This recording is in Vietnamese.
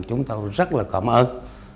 chúng ta cũng rất là cảm ơn